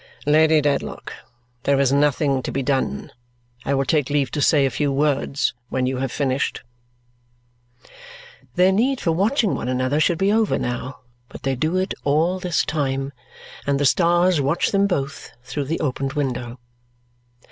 "Lady Dedlock, there is nothing to be done. I will take leave to say a few words when you have finished." Their need for watching one another should be over now, but they do it all this time, and the stars watch them both through the opened window.